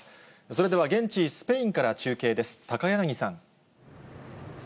それでは現地、スペインから中継です。